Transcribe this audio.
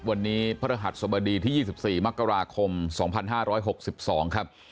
วันนี้พระรหัสสบดีที่๒๔มกราคม๒๕๖๒ครับ